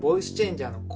ジャーの声の。